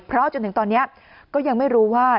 เพราะจนถึงตอนนี้ก็ยังไม่รู้ว่า